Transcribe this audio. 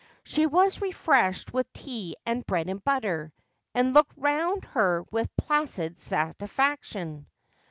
She was refreshed with tea and bread and butter, and looked round her with placid satisfaction.